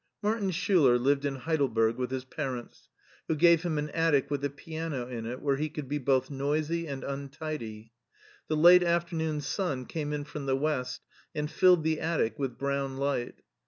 Martin Schiiler lived in Heidelberg with his parents, who gave him an attic with a piano in it where he could be both noisy and untidy. The late afternoon sun came in from the west and filled the attic with brown light.